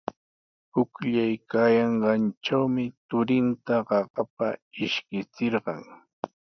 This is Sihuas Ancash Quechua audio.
Pukllaykaayanqantrawmi turinta qaqapa ishkichirqan.